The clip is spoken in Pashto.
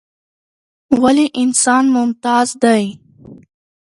ولې انسان ممتاز دى؟